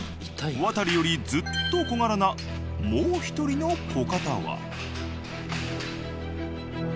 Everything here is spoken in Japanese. ワタリよりずっと小柄なもう一人の子方は。